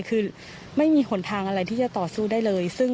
คือไม่มีหนทางอะไรที่จะต่อสู้ได้เลย